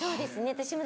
私も